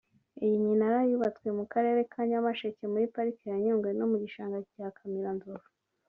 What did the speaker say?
Iyi minara yubatswe mu karere ka Nyamasheke muri Pariki ya Nyungwe no mu gishanga cya Kamiranzovu